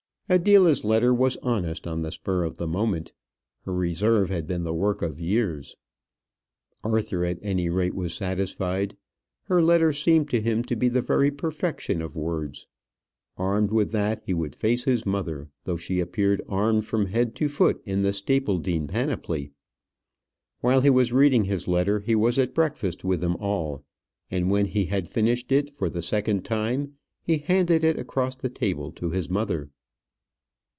Adela's letter was honest on the spur of the moment. Her reserve had been the work of years. Arthur, at any rate, was satisfied. Her letter seemed to him to be the very perfection of words. Armed with that he would face his mother, though she appeared armed from head to foot in the Stapledean panoply. While he was reading his letter he was at breakfast with them all; and when he had finished it for the second time, he handed it across the table to his mother.